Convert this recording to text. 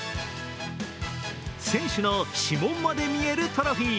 選手の指紋まで見えるトロフィー。